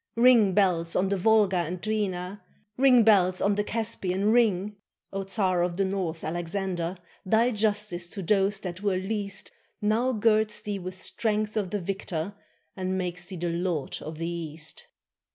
Ring, bells, on the Volga and Dwina, Ring, bells, on the Caspian, ring! O Czar of the North, Alexander, Thy justice to those that were least Now girds thee with strength of the victor. And makes thee the lord of the East!